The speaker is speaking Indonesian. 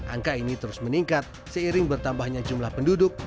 angka ini terus meningkat seiring bertambahnya jumlah penduduk